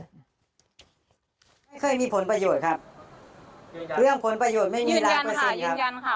ไม่เคยมีผลประโยชน์ครับเรื่องผลประโยชน์ไม่มีร้อยเปอร์เซ็นต์ครับ